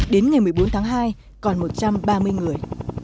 đến ngày một mươi bốn tháng hai còn một trăm ba mươi người